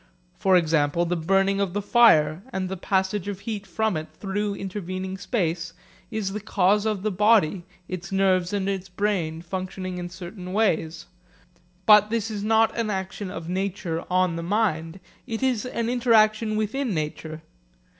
For example, the burning of the fire and the passage of heat from it through intervening space is the cause of the body, its nerves and its brain, functioning in certain ways. But this is not an action of nature on the mind. It is an interaction within nature.